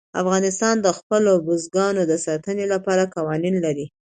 افغانستان د خپلو بزګانو د ساتنې لپاره قوانین لري.